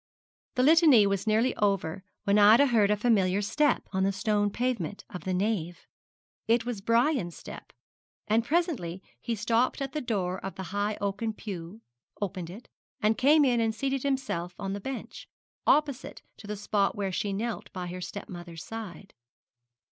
The litany was nearly over when Ida heard a familiar step on the stone pavement of the nave. It was Brian's step; and presently he stopped at the door of the high oaken pew, opened it, and came in and seated himself on the bench, opposite to the spot where she knelt by her step mother's side.